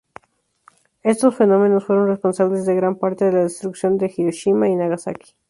Estos fenómenos fueron responsables de gran parte de la destrucción de Hiroshima y Nagasaki.